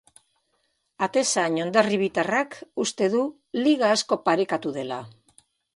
Atezain hondarribitarrak uste du liga asko parekatu dela.